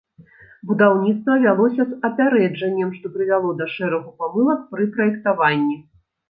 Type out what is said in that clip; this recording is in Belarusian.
Будаўніцтва вялося з апярэджаннем, што прывяло да шэрагу памылак пры праектаванні.